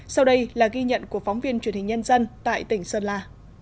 sau đây là ghi nhận của phóng viên truyền hình nhân dân tại tỉnh sơn la